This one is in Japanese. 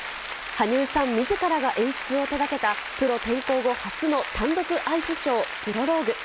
羽生さんみずからが演出を手がけた、プロ転向後初の単独アイスショー、プロローグ。